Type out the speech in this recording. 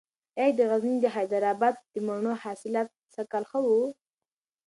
ایا د غزني د حیدر اباد د مڼو حاصلات سږکال ښه و؟